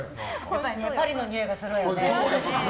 パリのにおいがするわよね。